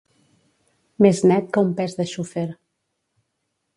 Més net que un pes de xufer.